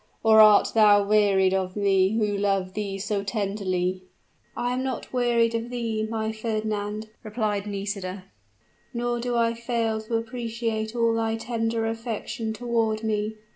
or art thou wearied of me who love thee so tenderly?" "I am not wearied of thee, my Fernand!" replied Nisida, "nor do I fail to appreciate all thy tender affection toward me.